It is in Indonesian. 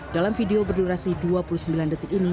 dalam video berdurasi dua puluh sembilan detik ini